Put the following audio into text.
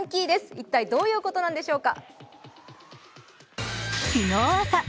一体どういうことなんでしょうか。